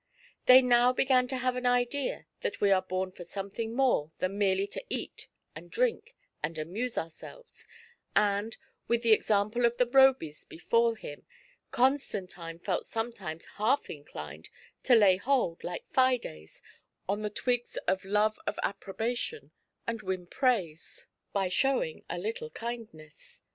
They now began to have an idea that we are bom for something more than merely to eat and drink and amuse ourselves; and, with the example of the Robys before him, Con stantine felt sometimes half inclined to lay hold, like Fides, on the twigs of " love of approbation,'' and win praise 1 12 FAIB CRATITrDE. by showing a little kiinlneasi.